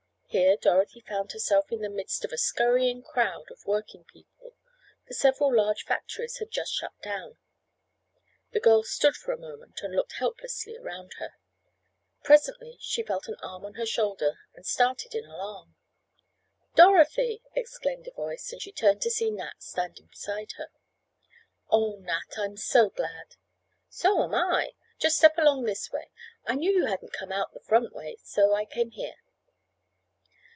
Here Dorothy found herself in the midst of a scurrying crowd of working people, for several large factories had just shut down. The girl stood for a moment and looked helplessly about her. Presently she felt an arm on her shoulder and started in alarm. "Dorothy!" exclaimed a voice, and she turned to see Nat standing beside her. "Oh, Nat! I'm so glad!" "So am I. Just step along this way. I knew you hadn't come out the front way so I came here."